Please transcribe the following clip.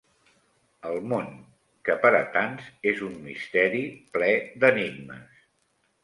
El món, que per a tants és un misteri plè d'enigmes